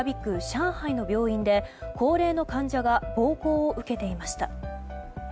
上海の病院で高齢の患者が暴行を受けていました。